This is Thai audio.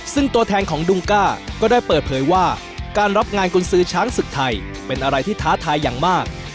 ซึ่งตัวแทนของดุงก้าก็ได้เปิดเผยว่าการรับงานกุญซื้อช้างศึกไทยเป็นอะไรที่ท้าทายอย่างมาก